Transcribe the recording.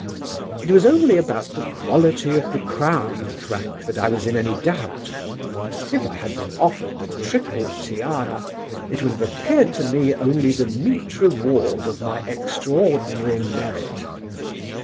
"It was only about the quality of the crown, Frank, that I was in any doubt. If I had been offered the Triple Tiara, it would have appeared to me only the meet reward of my extraordinary merit....